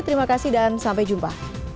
terima kasih dan sampai jumpa